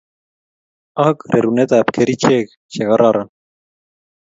Ak rerunetab kerichek chekororon